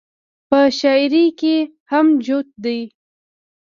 پۀ شاعرۍ کښې هم جوت دے -